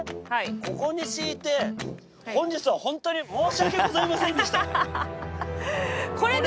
ここに敷いて本日は本当に申し訳ございませんでした。